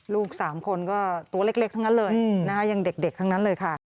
ลูก๓คนก็ตัวเล็กทั้งนั้นเลยนะคะยังเด็กทั้งนั้นเลยค่ะ